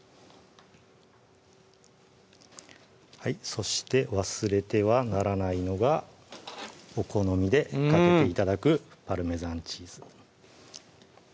そして忘れてはならないのがお好みでかけて頂くパルメザンチーズ